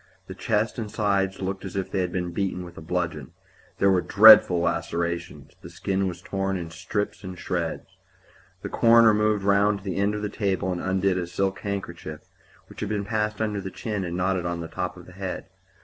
The chest and sides looked as if they had been beaten with a bludgeon. There were dreadful lacerations; the skin was torn in strips and shreds. The coroner moved round to the end of the table and undid a silk handkerchief, which had been passed under the chin and knotted on the top of the head.